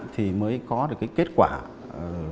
thì mới có được cái kết quả này